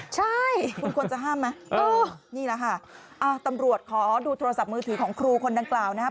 ใช่คุณควรจะห้ามไหมนี่แหละค่ะตำรวจขอดูโทรศัพท์มือถือของครูคนดังกล่าวนะครับ